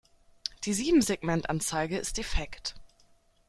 Die Siebensegmentanzeige ist defekt.